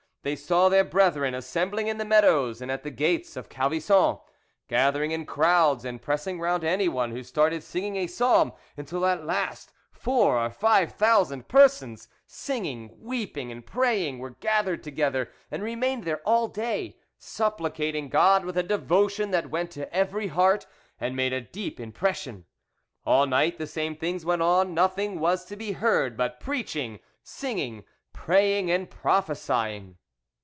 They saw their brethren assembling in the meadows and at the gates of Calvisson, gathering in crowds and pressing round anyone who started singing a psalm, until at last four or five thousand persons, singing, weeping, and praying, were gathered together, and remained there all day, supplicating God with a devotion that went to every heart and made a deep impression. All night the same things went on; nothing was to be heard but preaching, singing, praying, and prophesying."